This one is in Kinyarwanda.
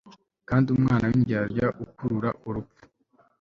kandi umunwa w'indyarya ukurura urupfu